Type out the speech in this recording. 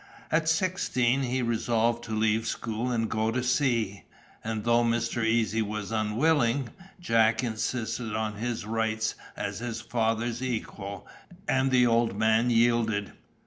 At sixteen he resolved to leave school and go to sea; and though Mr. Easy was unwilling, Jack insisted on his "rights" as his father's "equal," and the old man yielded.